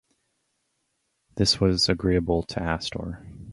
This was agreeable to Astor.